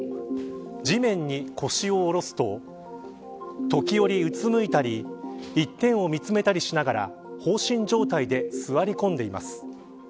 地面に腰を下ろすと時折うつむいたり一点を見つめたりしながら放心状態で座り込んでいます。